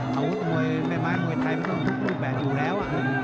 เมื่อมายมวยไทยมันต้องทุกลูกแบตอยู่แล้ว